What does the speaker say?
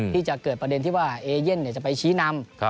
ที่จะเกิดประเด็นที่ว่าเอเย่นจะไปชี้นำ